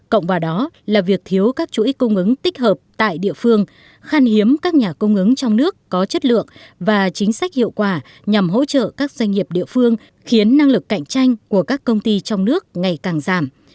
cộng vào đó là việc thiếu các chuỗi cung ứng tích hợp tại địa phương khan hiếm các nhà cung ứng trong nước có chất lượng và chính sách hiệu quả nhằm hỗ trợ các doanh nghiệp địa phương khiến năng lực cạnh tranh của các công ty trong nước ngày càng giảm